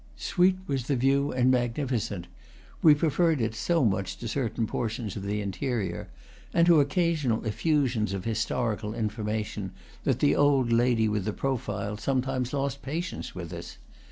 Sweet was the view, and magnificent; we preferred it so much to certain portions of the interior, and to oc casional effusions of historical information, that the old lady with the prove sometimes lost patience with us.